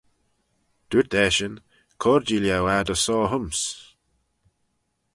Dooyrt eshyn, Cur-jee lhieu ad aynshoh hym's.